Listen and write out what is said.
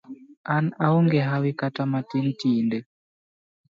An aonge hawi kata matin tinde.